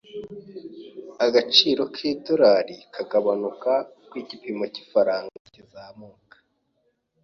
Agaciro k'idolari kagabanuka uko igipimo cy'ifaranga kizamuka.